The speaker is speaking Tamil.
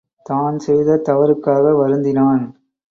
தான் செய்த தவறுக்காக வருந்தினான்.